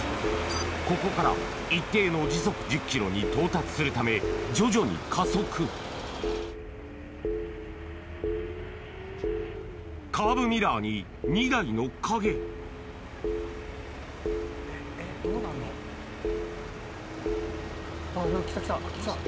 ここから一定の時速１０キロに到達するため徐々に加速カーブミラーに２台の影来た来た来た。